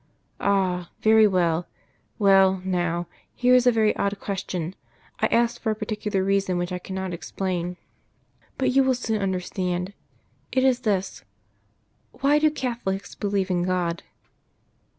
"Ah! very well. Well, now, here is a very odd question. I ask for a particular reason, which I cannot explain, but you will soon understand.... It is this Why do Catholics believe in God?"